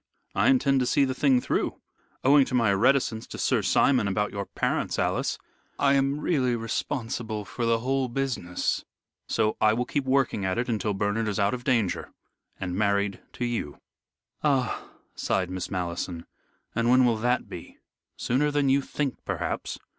I intend to see the thing through. Owing to my reticence to Sir Simon about your parents, Alice, I am really responsible for the whole business, so I will keep working at it until Bernard is out of danger and married to you." "Ah!" sighed Miss Malleson. "And when will that be?" "Sooner than you think, perhaps.